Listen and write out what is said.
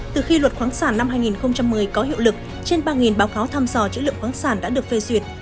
từ khi luật khoáng sản năm hai nghìn một mươi có hiệu lực trên ba báo cáo thăm dò chữ lượng khoáng sản đã được phê duyệt